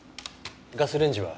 ガスレンジは？